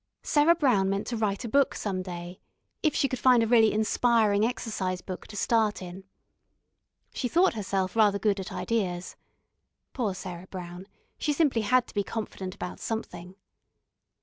Sarah Brown meant to write a book some day, if she could find a really inspiring exercise book to start in. She thought herself rather good at ideas poor Sarah Brown, she simply had to be confident about something.